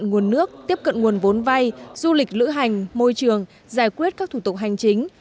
nguồn nước tiếp cận nguồn vốn vay du lịch lữ hành môi trường giải quyết các thủ tục hành chính